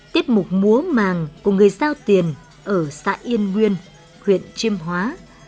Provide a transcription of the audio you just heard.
tiết mục múa màng của người giao tiền ở xã yên nguyên huyện chiêm hóa